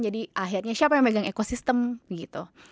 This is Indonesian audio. jadi akhirnya siapa yang megang ekosistem gitu